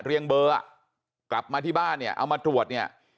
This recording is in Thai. เบอร์อ่ะกลับมาที่บ้านเนี่ยเอามาตรวจเนี่ย